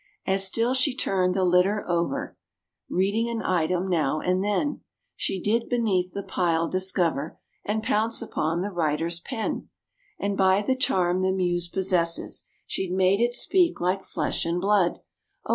As still she turned the litter over, Reading an item now and then, She did beneath the pile discover And pounce upon the writer's pen; And by the charm the Muse possesses She made it speak like flesh and blood, Oh!